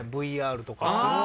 ＶＲとか。